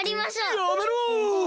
やめろ！